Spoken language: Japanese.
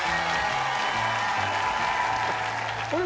あれ？